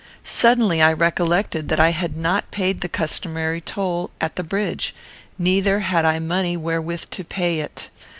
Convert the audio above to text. Suddenly I recollected that I had not paid the customary toll at the bridge; neither had I money wherewith to pay it.